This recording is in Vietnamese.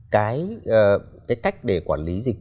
cái cách để quản lý dịch